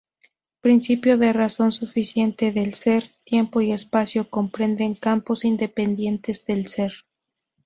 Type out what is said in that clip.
Principio de razón suficiente del "ser": Tiempo y espacio comprenden campos independientes del ser.